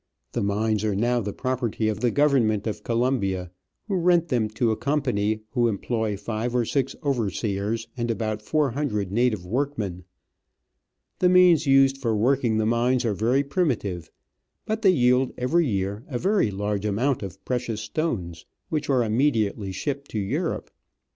The mines are now the property of the Government of Colombia, who rent them to a com pany who employ five or six overseers and about four hundred native workmen. The means used for working the mines are very primitive, but they yield every year a very large amount of precious stones, which are immediately shipped to Europe.